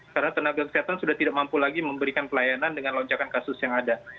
karena tenaga kesehatan sudah tidak mampu lagi memberikan pelayanan dengan lonjakan kasus yang ada